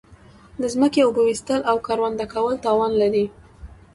د زمکی اوبه ویستل او کرونده کول تاوان لری